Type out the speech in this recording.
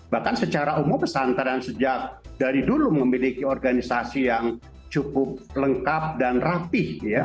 bahkan secara umum pesantren sejak dari dulu memiliki organisasi yang cukup lengkap dan rapih